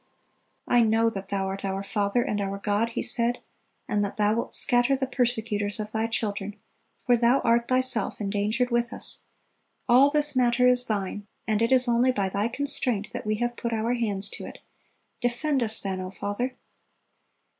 "I know that Thou art our Father and our God," he said, "and that Thou wilt scatter the persecutors of Thy children; for Thou art Thyself endangered with us. All this matter is Thine, and it is only by Thy constraint that we have put our hands to it. Defend us, then, O Father!"